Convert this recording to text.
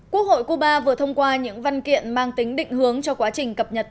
quốc hội cuba vừa thông qua những văn kiện mang tính định hướng cho quá trình cập nhật